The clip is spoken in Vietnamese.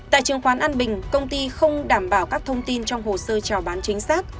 tại trường khoán an bình công ty không đảm bảo các thông tin trong hồ sơ trào bán chính xác